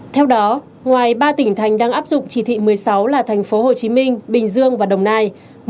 theo đó ngoài ba tỉnh thành đang áp dụng chỉ thị một mươi sáu là thành phố hồ chí minh bình dương và đồng nai